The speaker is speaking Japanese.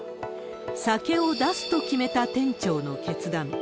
酒を出すと決めた店長の決断。